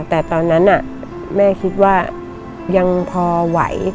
แต่ตอนนั้นแม่คิดว่ายังพอไหว